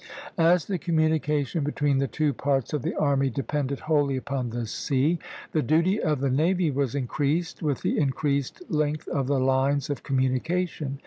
As the communication between the two parts of the army depended wholly upon the sea, the duty of the navy was increased with the increased length of the lines of communication.